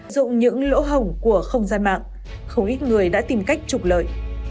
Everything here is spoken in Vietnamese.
dụng những lỗ hồng của không gian mạng không ít người đã tìm cách trục lợi